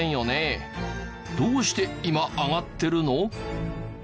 どうして今上がってるの？